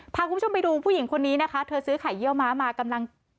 พาคุณผู้ชมไปดูผู้หญิงคนนี้นะคะเธอซื้อไข่เยี่ยวม้ามากำลัง